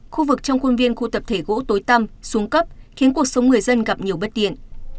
khu vực trong khuôn viên khu tập thể gỗ tối tâm xuống cấp khiến cuộc sống người dân gặp nhiều bất điện